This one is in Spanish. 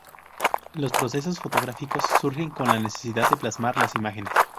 Los procesos fotográficos surgen con la necesidad de plasmar las imágenes.